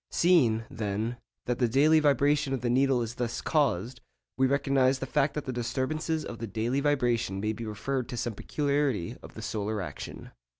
Seeing, then, that the daily vibration of the needle is thus caused, we recognise the fact that the disturbances of the daily vibration may be referred to some peculiarity of the solar action.